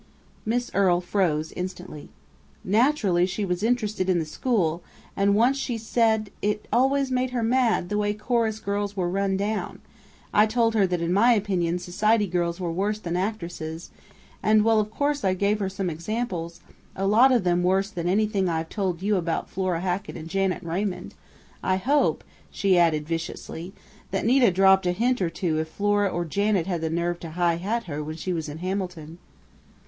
Miss Earle froze instantly. "Naturally she was interested in the school, and once when she said it always made her mad the way chorus girls were run down, I told her that in my opinion society girls were worse than actresses, and well, of course I gave her some examples, a lot of them worse than anything I've told you about Flora Hackett and Janet Raymond.... I hope," she added viciously, "that Nita dropped a hint or two if Flora or Janet had the nerve to high hat her when she was in Hamilton!"